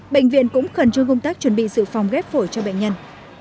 bệnh viện cũng khẩn trương công tác chuẩn bị sự phòng ghép phổi cho bệnh nhân